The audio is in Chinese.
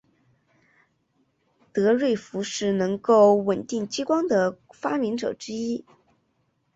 德瑞福是能够稳定激光的的发明者之一。